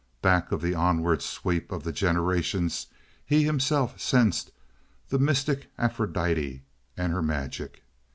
Back of the onward sweep of the generations he himself sensed the mystic Aphrodite and her magic.